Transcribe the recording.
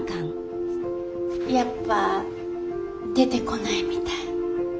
やっぱ出てこないみたい。